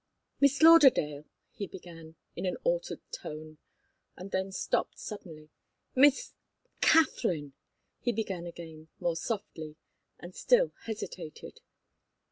"Miss Lauderdale " he began, in an altered tone, and then stopped suddenly. "Miss Katharine " he began again, more softly, and still hesitated.